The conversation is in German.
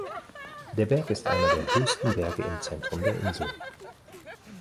Der Berg ist einer der höchsten Berge im Zentrum der Insel.